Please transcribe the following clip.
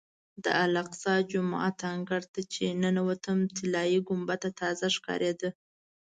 د الاقصی جومات انګړ ته چې ننوتم طلایي ګنبده تازه ښکارېده.